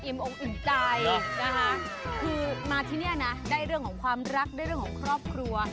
อกอิ่มใจนะคะคือมาที่นี่นะได้เรื่องของความรักได้เรื่องของครอบครัว